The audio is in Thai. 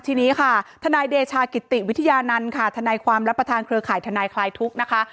ทีนี้ค่ะทนายเดชากิติวิทยานันต์ค่ะทนายความและประธานเครือข่ายทนายคลายทุกข์นะคะ